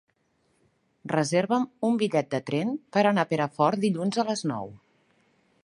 Reserva'm un bitllet de tren per anar a Perafort dilluns a les nou.